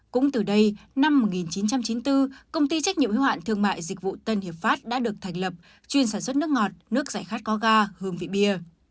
cũng từ đây năm một nghìn chín trăm chín mươi bốn công ty trách nhiệm hiếu hạn thương mại dịch vụ tân hiệp pháp đã được thành lập chuyên sản xuất nước ngọt nước giải khát có ga hương vị bia